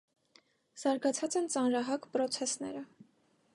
Զարգացած են ծանրահակ պրոցեսները։